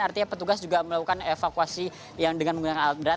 artinya petugas juga melakukan evakuasi yang dengan menggunakan alat berat